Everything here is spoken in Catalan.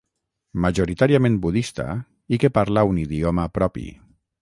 Majoritàriament budista i que parla un idioma propi.